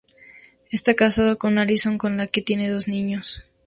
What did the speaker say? Está casado con Allison con la que tiene dos niños.